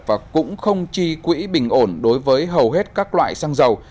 và cũng không chi quỹ bình ổn đối với hầu hết các loại xăng dầu